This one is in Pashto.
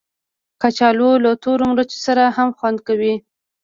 کچالو له تورو مرچو سره هم خوند کوي